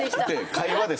会話です。